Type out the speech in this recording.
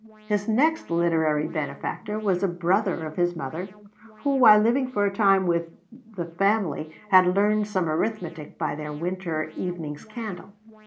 His next literary benefactor was a brother of his mother, who while living for a time with the family had learned some arithmetic by their winter evening's candle.